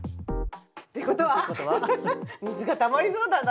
って事は水がたまりそうだな！